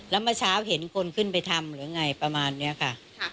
แล้วเมื่อเช้าเห็นคนขึ้นไปทำหรือไงประมาณนี้ค่ะ